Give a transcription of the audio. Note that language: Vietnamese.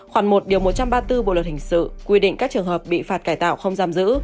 khoảng một một trăm ba mươi bốn bộ luật hình sự quy định các trường hợp bị phạt cải tạo không giam giữ